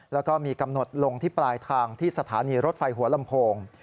แล้วก็มีกำหนดลงที่ปลายทางที่สถานีรถไฟหัวลำโพง